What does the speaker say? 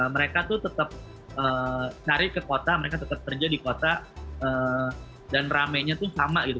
mereka tuh tetap cari ke kota mereka tetap kerja di kota dan ramenya tuh sama gitu